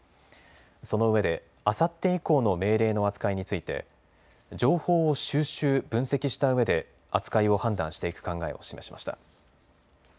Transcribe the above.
そのうえであさって以降の命令の扱いについて情報を収集・分析したうえで扱いを判断していく考えを示しました。